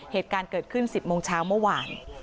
เหตุการณ์เกิดขึ้น๑๐โมงเช้าเมื่อวาน